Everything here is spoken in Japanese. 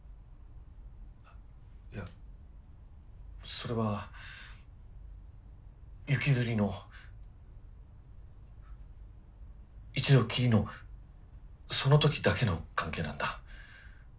いやそれは行きずりの一度きりのその時だけの関係なんだ。